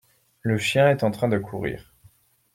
Le chien est en train de courir.